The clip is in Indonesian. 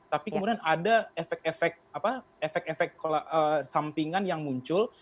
tapi kemudian ada efek efek sampingan yang muncul